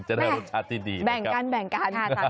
จะได้รสชาติดีนะครับค่ะสามีพยายามด้วยกันนะแบ่งกัน